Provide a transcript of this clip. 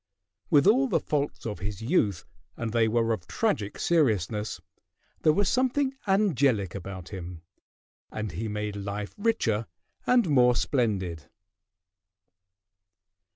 With all the faults of his youth, and they were of tragic seriousness, there was something angelic about him, and he made life richer and more splendid.